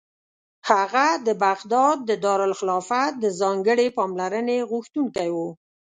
هغه د بغداد د دارالخلافت د ځانګړې پاملرنې غوښتونکی و.